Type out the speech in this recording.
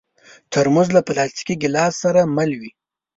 ترموز له پلاستيکي ګیلاس سره مل وي.